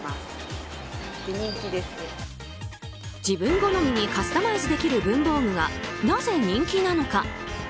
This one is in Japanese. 自分好みにカスタマイズできる文房具がなぜ人気なのか。